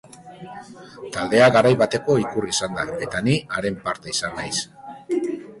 Taldea garai bateko ikur izan da, eta ni haren parte izan naiz.